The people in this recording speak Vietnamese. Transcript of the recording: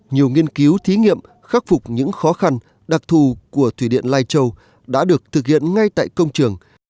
nhiều nghiên cứu thí nghiệm khắc phục những khó khăn đặc thù của thủy điện lai châu đã được thực hiện ngay tại công trường